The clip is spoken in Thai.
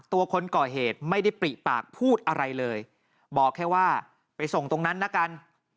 คนก่อเหตุไม่ได้ปริปากพูดอะไรเลยบอกแค่ว่าไปส่งตรงนั้นละกัน